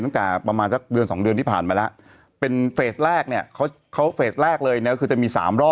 มันก็เหลือ๒ล้าน๕แสนสิทธิ์